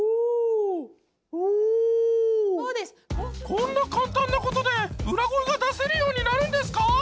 こんな簡単なことで裏声が出せるようになるんですか！